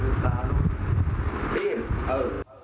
บีบโหบีบ๑๒๓บีบเออ